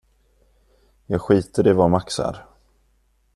Jag skiter i var Max är!